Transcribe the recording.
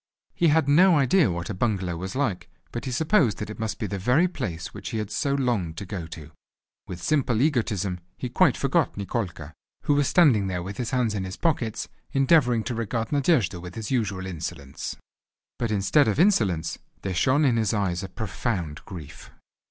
He had no idea what a bungalow was like, but he supposed that it must be the very place which he had so longed to go to. With simple egotism he quite forgot Nikolka, who was standing there with his hands in his pockets endeavouring to regard Nadejda with his usual insolence. But instead of insolence there shone in his eyes a profound grief.